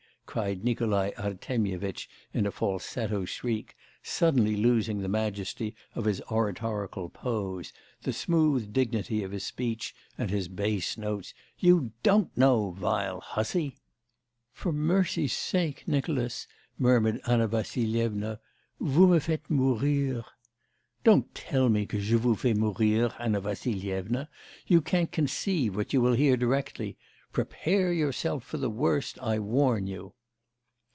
cried Nikolai Artemyevitch in a falsetto shriek, suddenly losing the majesty of his oratorical pose, the smooth dignity of his speech, and his bass notes. 'You don't know, vile hussy!' 'For mercy's sake, Nicolas,' murmured Anna Vassilyevna, 'vous me faites mourir?' 'Don't tell me que je vous fais mourir, Anna Vassilyevna! You can't conceive what you will hear directly! Prepare yourself for the worst, I warn you!